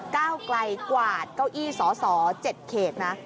ก้าวไกลกวาดเก้าอี้สส๗เขตนะ